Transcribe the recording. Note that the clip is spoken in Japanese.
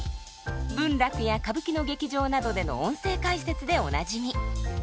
文楽や歌舞伎の劇場などでの音声解説でおなじみ。